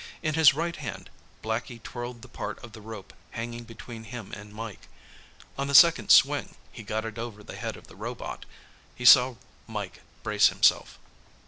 In his right hand, Blackie twirled the part of the rope hanging between him and Mike. On the second swing, he got it over the head of the robot. He saw Mike brace himself.